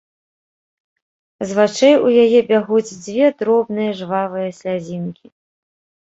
З вачэй у яе бягуць дзве дробныя жвавыя слязінкі.